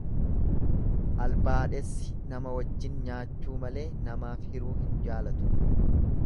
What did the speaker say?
Albaadhessi nama wajjin nyaachuu malee namaaf hiruu hin jaalatu.